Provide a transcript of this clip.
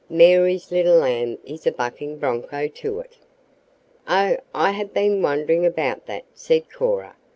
Mary's little lamb is a 'bucking bronco' to it." "Oh, I have been wondering about that," said Cora.